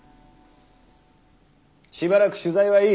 しばらく取材はいい。